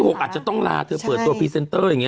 อาจจะต้องลาเธอเปิดตัวพรีเซนเตอร์อย่างนี้